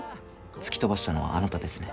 突き飛ばしたのはあなたですね？